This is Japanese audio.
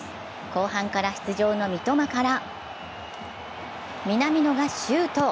後半から出場の三笘から南野がシュート。